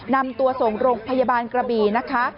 นำตัวส่งโรงพยาบาลกระบี่นะคะ